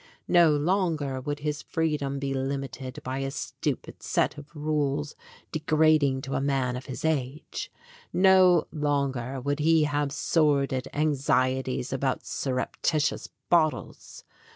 No longer would his free dom be limited by a stupid set of rules degrading to a man of his age. No longer would he have sordid anxieties about surreptitious bottles.